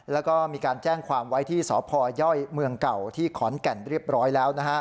แล้วก็มีการแจ้งความไว้ที่สพย่อยเมืองเก่าที่ขอนแก่นเรียบร้อยแล้ว